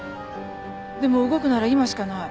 でも動くなら今しかない。